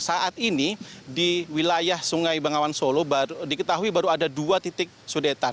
saat ini di wilayah sungai bengawan solo diketahui baru ada dua titik sudetan